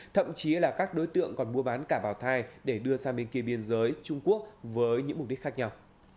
thậm chí là các đối tượng còn mua bán cả bảo thai để đưa sang bên kia biên giới trung quốc với những mục đích khác nhau